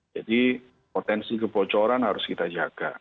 jadi potensi kebocoran harus kita jaga